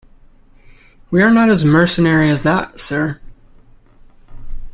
We are not as mercenary as that, sir.